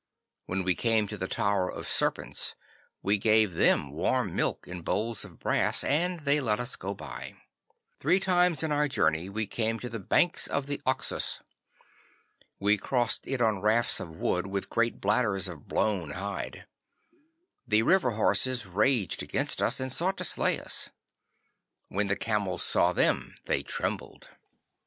When we came to the Tower of Serpents we gave them warm milk in howls of brass, and they let us go by. Three times in our journey we came to the banks of the Oxus. We crossed it on rafts of wood with great bladders of blown hide. The river horses raged against us and sought to slay us. When the camels saw them they trembled.